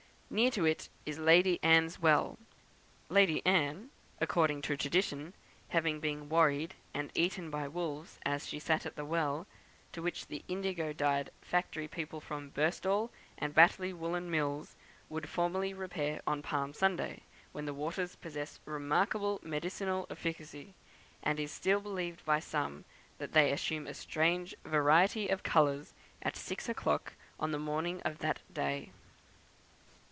Near to it is Lady Anne's well; "Lady Anne," according to tradition, having been worried and eaten by wolves as she sat at the well, to which the indigo dyed factory people from Birstall and Batley woollen mills would formerly repair on Palm Sunday, when the waters possess remarkable medicinal efficacy; and it is still believed by some that they assume a strange variety of colours at six o'clock on the morning of that day.